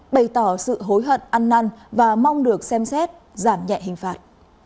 bày tỏ sự hối hận ăn năn và mong được xem xét giảm nhẹ hình phạt